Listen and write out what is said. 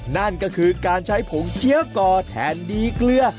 นั่นก็คือการใช้ผงเจี๊ยวก่อแทนดีเกลือ